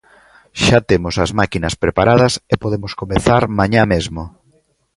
Xa temos as máquinas preparadas e podemos comezar mañá mesmo.